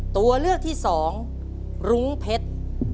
ตัวเลือกที่สองรุ้งเพชร